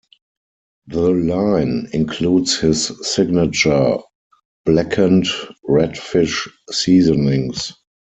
The line includes his signature Blackened Redfish seasonings.